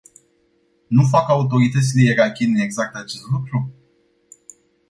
Nu fac autoritățile irakiene exact acest lucru?